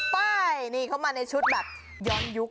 ป้ายนี่เข้ามาในชุดบัตรย้อนยุค